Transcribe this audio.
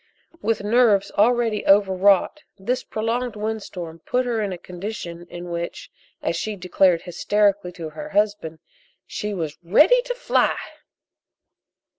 With nerves already overwrought this prolonged windstorm put her in a condition in which, as she declared hysterically to her husband, she was "ready to fly."